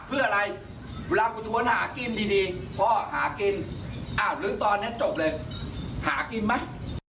อ้าวเรื่องตอนนี้จบเลยหากินมั้ย